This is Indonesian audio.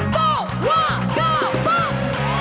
tuh wah gampang